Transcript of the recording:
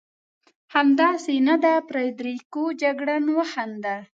همداسې نه ده فرېدرېکو؟ جګړن وخندل.